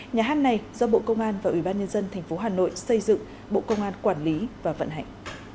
nhà hát này do bộ công an và ubnd tp hà nội xây dựng bộ công an quản lý và vận hành